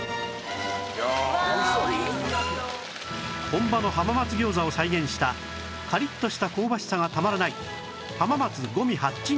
本場の浜松餃子を再現したカリッとした香ばしさがたまらない浜松五味八珍